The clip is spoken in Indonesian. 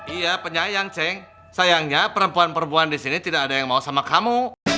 iya penyayang ceng sayangnya perempuan perempuan di sini tidak ada yang mau sama kamu